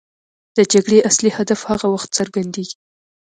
د جګړې اصلي هدف هغه وخت څرګندېږي.